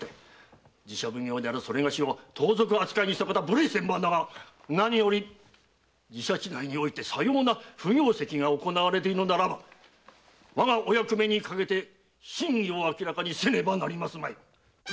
寺社奉行である某を盗賊扱いにしたことは無礼千万だが何より寺社地内にてさような不行跡が行われているのならば我がお役目にかけて真偽を明らかにせねばなりますまい。